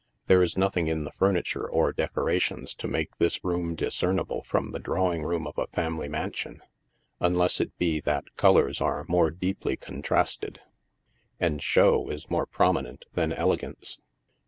There is nothing in the furniture or decorations to make this room discernible from the drawing room of a family mansion, unless it be that colors are more deeply contrasted, and show is more prominent than elegance.